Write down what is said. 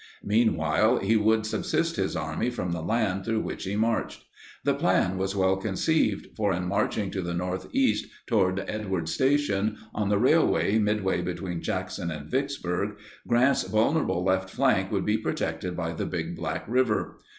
Meanwhile, he would subsist his army from the land through which he marched. The plan was well conceived, for in marching to the northeast toward Edwards Station, on the railroad midway between Jackson and Vicksburg, Grant's vulnerable left flank would be protected by the Big Black River.